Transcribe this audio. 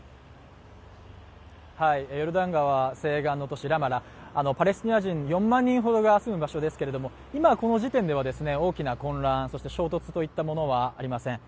ヨルダン川西岸の都市ラマラ、パレスチナ人４万人が住む場所ですけれども今この時点では大きな混乱、衝突といったものはありません。